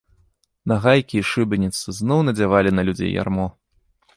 Нагайкі і шыбеніцы зноў надзявалі на людзей ярмо.